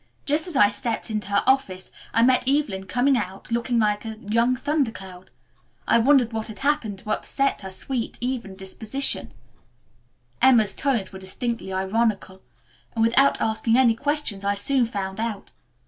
Just as I stepped into her office I met Evelyn coming out looking like a young thunder cloud. I wondered what had happened to upset her sweet, even disposition," Emma's tones were distinctly ironical, "and without asking any questions I soon found out.